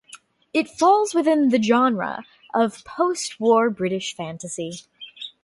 It falls within the "genre" of post-war British fantasy.